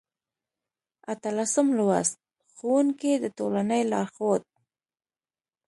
اتلسم لوست: ښوونکی د ټولنې لارښود